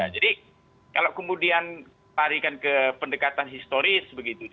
jadi kalau kemudian tarikan ke pendekatan historis